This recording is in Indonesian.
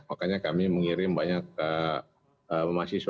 makanya kami mengirim banyak mahasiswa